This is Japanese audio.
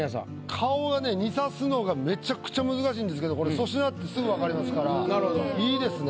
顔は似さすのがめちゃくちゃ難しいんですけどこれ粗品ってすぐ分かりますから良いですね。